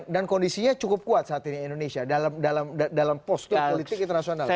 dan kondisinya cukup kuat saat ini indonesia dalam dalam dalam dalam postur politik internasional